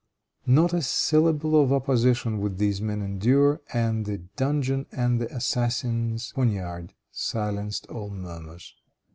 Not a syllable of opposition would these men endure, and the dungeon and the assassin's poignard silenced all murmurs.